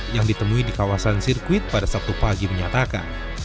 yang ditemui di kawasan sirkuit pada sabtu pagi menyatakan